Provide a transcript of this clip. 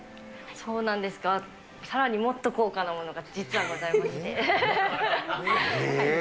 そうなんですが、さらにもっと高価なものが、実はございまして。